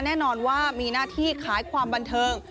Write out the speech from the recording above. แน่นอนว่ามีหน้าที่ขายความบันเทิง